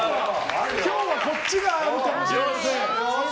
今日はこっちがあるかもしれない。